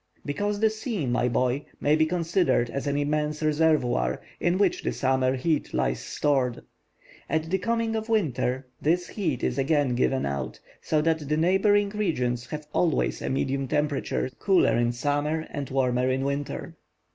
"Because the sea, my boy, may be considered as an immense reservoir, in which the summer heat lies stored. At the coming of winter this heat is again given out, so that the neighboring regions have always a medium temperature, cooler in summer and warmer in winter."